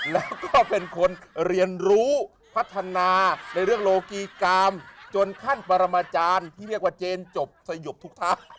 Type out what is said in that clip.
แล้วก็เป็นคนเรียนรู้พัฒนาในเรื่องโลกีกรรมจนขั้นปรมาจารย์ที่เรียกว่าเจนจบสยบทุกทะ